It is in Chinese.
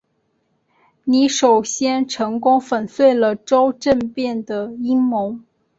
你首先成功粉碎了周政变的阴谋。